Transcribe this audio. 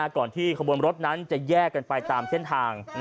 ก่อนที่ขบวนรถนั้นจะแยกกันไปตามเส้นทาง